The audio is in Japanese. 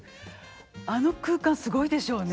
あの空間すごいでしょうね。